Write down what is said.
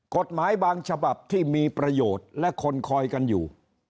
กฎหมายบางฉบับที่มีประโยชน์และคนคอยกันอยู่